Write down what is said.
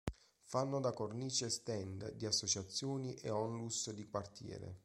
Fanno da cornice stand di associazioni e onlus di quartiere.